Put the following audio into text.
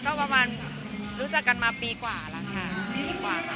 ก็ประมาณรู้จักกันมาปีกว่าหละค่ะ